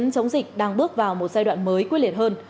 tổng dịch đang bước vào một giai đoạn mới quy liệt hơn